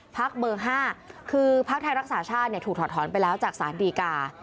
พักเบอร์๕คือพักไทยรักษาชาติถูกถอดถอนไปแล้วจากสารดีกา